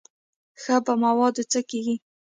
ښه په موادو څه کېږي.